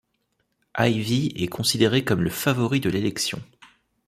Ivey est considéré comme le favori de l'élection.